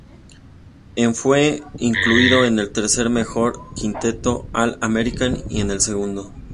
En fue incluido en el tercer mejor quinteto All-American y en en el segundo.